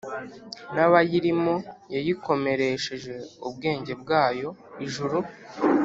n abayirimo yayikomeresheje ubwenge bwayo ijuru